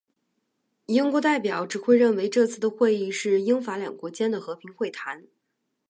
英国代表只认为这次的会议是英法两国间的和平会谈。